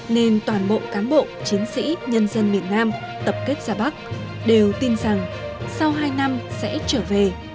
nên toàn bộ cán bộ chiến sĩ nhân dân miền nam tập kết ra bắc đều tin rằng sau hai năm sẽ trở về